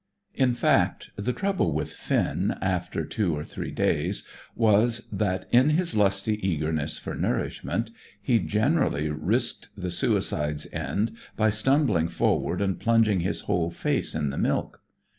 In fact, the trouble with Finn, after two or three days, was that, in his lusty eagerness for nourishment, he generally risked the suicide's end by stumbling forward and plunging his whole face in the milk.